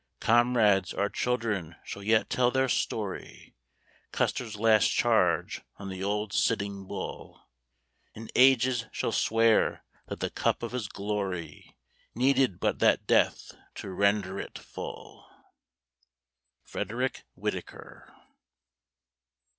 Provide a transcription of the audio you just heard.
Comrades, our children shall yet tell their story, Custer's last charge on the old Sitting Bull; And ages shall swear that the cup of his glory Needed but that death to render it full. FREDERICK WHITTAKER.